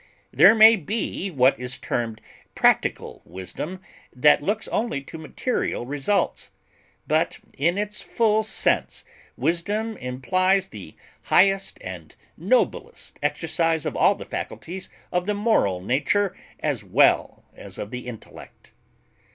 There may be what is termed "practical wisdom" that looks only to material results; but in its full sense, wisdom implies the highest and noblest exercise of all the faculties of the moral nature as well as of the intellect.